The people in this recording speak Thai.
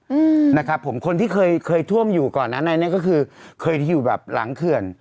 อืมนะครับผมคนที่เคยเคยท่วมอยู่ก่อนนั้นในเนี้ยก็คือเคยอยู่แบบหลังเขื่อน